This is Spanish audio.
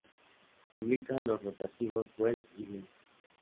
Publica los rotativos "Welt" y "Bild".